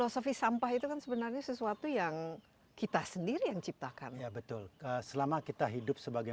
sofi sampah itu kan sebenarnya sesuatu yang kita sendiri yang ciptakan ya betul selama kita hidup sebagai